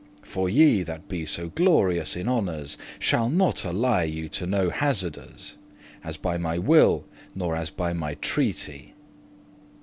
For ye, that be so glorious in honours, Shall not ally you to no hazardours, As by my will, nor as by my treaty."